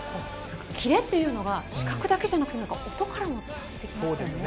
キレというのが視覚だけじゃなくて音からも伝わってきましたよね。